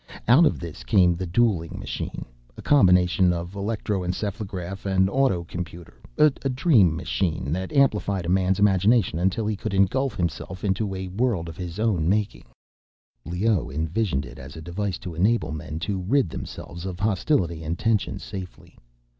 Out of this came the dueling machine. A combination of electroencephalograph and autocomputer. A dream machine, that amplified a man's imagination until he could engulf himself into a world of his own making. Leoh envisioned it as a device to enable men to rid themselves of hostility and tension safely.